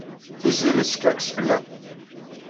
Tiziri teskerkes fell-am.